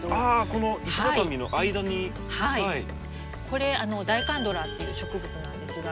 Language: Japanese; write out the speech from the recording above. これダイカンドラっていう植物なんですが。